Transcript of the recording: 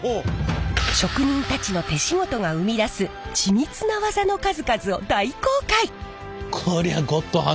職人たちの手仕事が生み出す緻密な技の数々を大公開！